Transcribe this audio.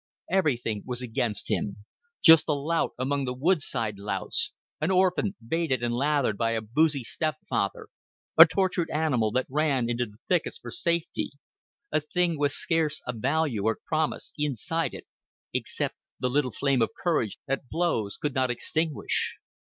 Everything against him just a lout among the woodside louts, an orphan baited and lathered by a boozy stepfather, a tortured animal that ran into the thickets for safety, a thing with scarce a value or promise inside it except the little flame of courage that blows could not extinguish!